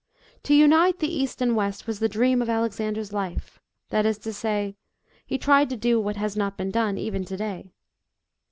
To unite the East and West was the dream of Alexander's life that is to say, he tried to do what has not been done even to day.